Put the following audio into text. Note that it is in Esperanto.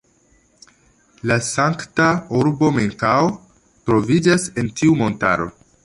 La sankta urbo Mekao troviĝas en tiu montaro.